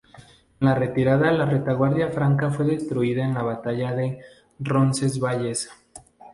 En la retirada la retaguardia franca fue destruida en la batalla de Roncesvalles.